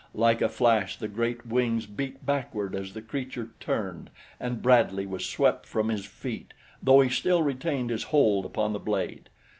Like a flash the great wings beat backward as the creature turned, and Bradley was swept from his feet, though he still retained his hold upon the blade.